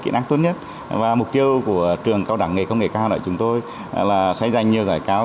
kỹ năng tốt nhất và mục tiêu của trường cao đẳng nghề công nghệ cao là chúng tôi là sẽ dành nhiều giải cao